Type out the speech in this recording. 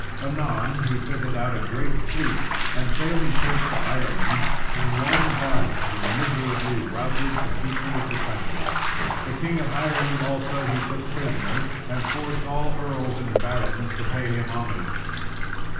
Anon he fitted out a great fleet, and sailing first to Ireland, in one battle he miserably routed the people of the country. The King of Ireland also he took prisoner, and forced all earls and barons to pay him homage.